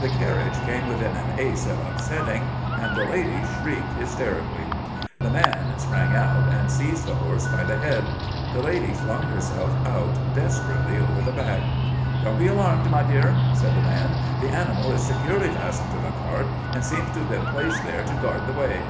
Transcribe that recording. The carriage came within an ace of upsetting, and the lady shrieked hysterically. The man sprang out, and seized the horse by the head. The lady flung herself out desperately over the back. "'Don't be alarmed, my dear!' said the man. 'The animal is securely fastened to the cart, and seems to have been placed there to guard the way.